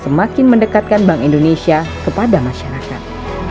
semakin mendekatkan bank indonesia kepada masyarakat